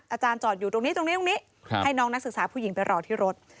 อาจารย์จอดอยู่ตรงนี้ตรงนี้ให้น้องนักศึกษาผู้หญิงไปรอที่รถ